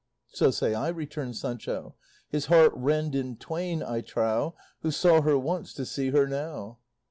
"So say I," returned Sancho; "his heart rend in twain, I trow, who saw her once, to see her now."